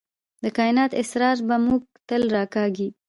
د کائنات اسرار به موږ تل راکاږي.